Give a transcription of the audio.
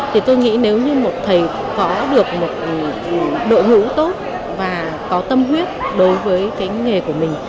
thì tôi nghĩ nếu như một thầy có được một đội ngũ tốt và có tâm huyết đối với cái nghề của mình